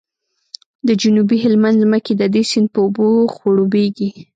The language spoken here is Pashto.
د جنوبي هلمند ځمکې د دې سیند په اوبو خړوبیږي